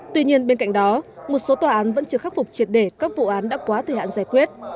tuy nhiên bên cạnh đó một số tòa án vẫn chưa khắc phục triệt để các vụ án đã quá thời hạn giải quyết